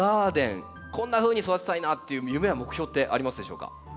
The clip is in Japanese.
こんなふうに育てたいなっていう夢や目標ってありますでしょうか？